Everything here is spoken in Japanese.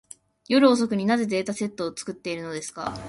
夜遅くに、なぜデータセットを作っているのですか。